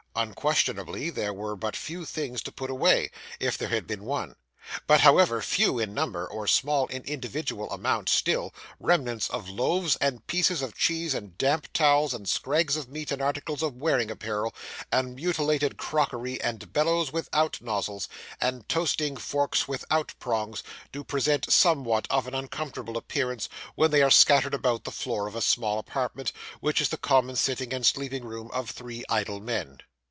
Unquestionably there were but few things to put away, if there had been one; but, however few in number, or small in individual amount, still, remnants of loaves and pieces of cheese, and damp towels, and scrags of meat, and articles of wearing apparel, and mutilated crockery, and bellows without nozzles, and toasting forks without prongs, do present somewhat of an uncomfortable appearance when they are scattered about the floor of a small apartment, which is the common sitting and sleeping room of three idle men.